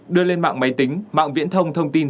một mươi một đưa lên mạng máy tính mạng viễn thông thông tin